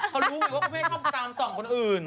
เค้ารู้ไงว่าเค้าไม่ให้ต้องส่องคนอื่น